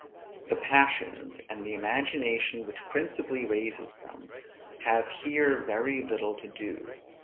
The passions, and the imagination which principally raises them, have here very little to do.